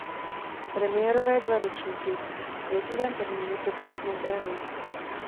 Premiérové dva ročníky v květnovém termínu proběhly v Montréalu.